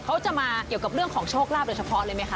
เขาจะมาเกี่ยวกับเรื่องของโชคลาภโดยเฉพาะเลยไหมค